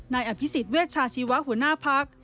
นายอภิษฎเวชชาชีวะหัวหน้าพัก